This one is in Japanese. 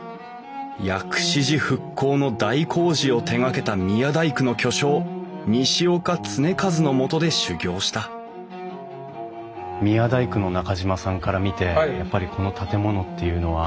薬師寺復興の大工事を手がけた宮大工の巨匠西岡常一のもとで修業した宮大工の中島さんから見てやっぱりこの建物っていうのは。